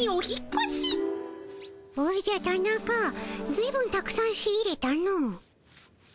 おじゃタナカずいぶんたくさん仕入れたの。